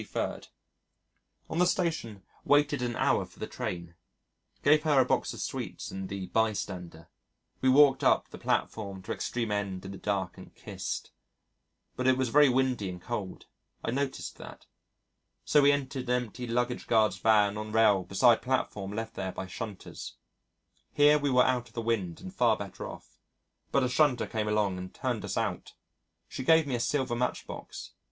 ... On the Station waited for an hour for the train. Gave her a box of sweets and the Bystander. We walked up the platform to extreme end in the dark and kissed! But it was very windy and cold. (I noticed that!) So we entered an empty luggage guard's van on rail beside platform left there by shunters. Here we were out of the wind and far better off. But a shunter came along and turned us out. She gave me a silver match box.